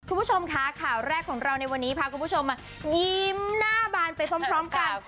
คุณผู้ชมคะข่าวแรกของเราในวันนี้พาคุณผู้ชมมายิ้มหน้าบานไปพร้อมกัน